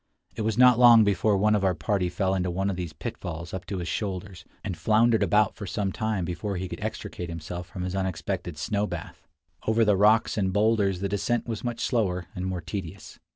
It was not long before one of our party fell into one of these pitfalls up to his shoulders, and floundered about for some time before he could extricate himself from his unexpected snow bath. Over the rocks and boulders the descent was much slower and more tedious.